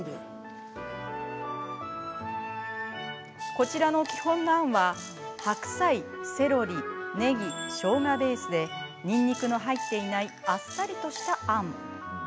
こちらの基本のあんは白菜セロリねぎしょうがベースでにんにくの入っていないあっさりとしたあん。